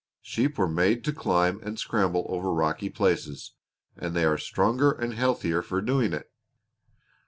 Sheep were made to climb and scramble over rocky places, and they are stronger and healthier for doing it."